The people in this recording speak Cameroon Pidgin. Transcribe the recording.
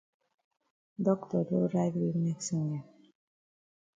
Doctor don write we medicine dem.